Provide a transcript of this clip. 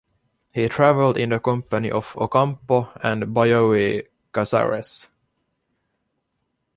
He traveled in the company of Ocampo and Bioy Casares.